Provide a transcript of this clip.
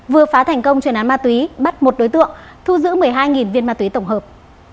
vừa phá thành công truyền án ma túy bắt một đối tượng thu giữ một mươi hai viên ma túy tổng hợp